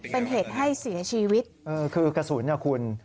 เป็นเหตุให้เสียชีวิตเออคือกระสุนนะคุณ